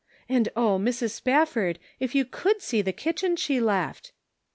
And oh, Mrs. Spaf ford, if you could see the kitchen she left